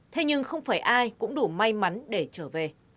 thế nhưng không phải ai cũng đủ may mắn để trở về